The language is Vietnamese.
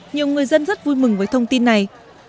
nhiều người dân rất vui mừng với thông tin này